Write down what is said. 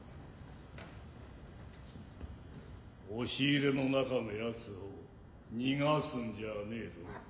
押入れの中の奴を逃がすんじゃねえぞ。